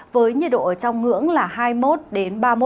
với nhiệt độ ở trong ngưỡng là hai mươi một ba mươi một độ